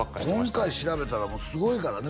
今回調べたらすごいからね